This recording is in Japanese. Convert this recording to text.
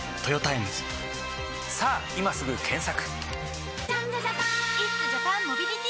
さぁ今すぐ検索！